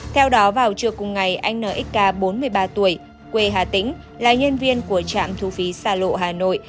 theo đó vào trưa cùng ngày anh nxk bốn mươi ba tuổi quê hà tĩnh là nhân viên của trạm thu phí xa lộ hà nội